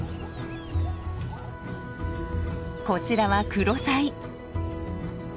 こちらはクロサイ。